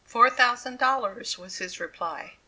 "Four thousand dollars," was the reply.